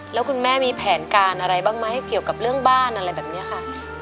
แล้วคุณแม่มีแผนการอะไรบ้างไหมเกี่ยวกับเรื่องบ้านอะไรแบบนี้ค่ะ